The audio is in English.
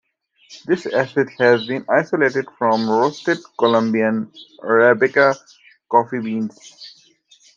This acid has been isolated from roasted Colombian arabica coffee beans.